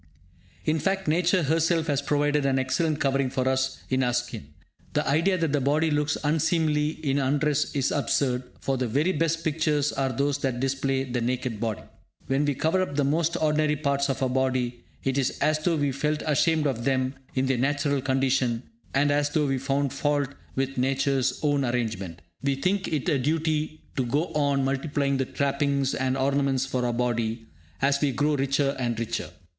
In fact, Nature herself has provided an excellent covering for us in our skin. The idea that the body looks unseemly in undress is absurd, for the very best pictures are those that display the naked body. When we cover up the most ordinary parts of our body, it is as though we felt ashamed of them in their natural condition, and as though we found fault with Nature's own arrangement. We think it a duty to go on multiplying the trappings and ornaments for our body, as we grow richer and richer.